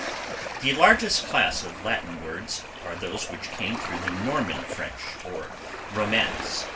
The largest class of Latin words are those which came through the Norman French, or Romance.